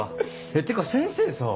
ってか先生さ